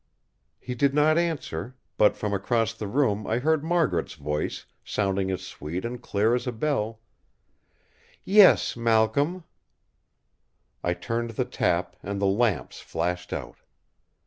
He did not answer; but from across the room I heard Margaret's voice, sounding as sweet and clear as a bell: "Yes, Malcolm!" I turned the tap and the lamps flashed out.